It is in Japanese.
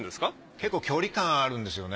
結構距離感あるんですよね。